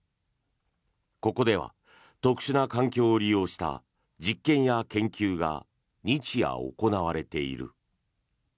ここでは特殊な環境を利用した実験や研究が日夜行われている。